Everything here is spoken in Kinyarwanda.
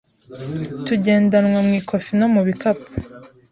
Tugendanwa mu ikofi, no mu bikapu,